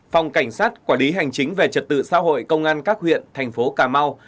phòng cảnh sát quản lý hành chính về trật tự xã hội công an các huyện thành phố cà mau